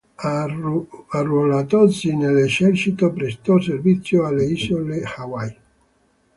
Arruolatosi nell'esercito, prestò servizio alle isole Hawaii.